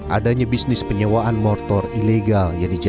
adanya bisnis penyewaan motor ilegal yang dijalankan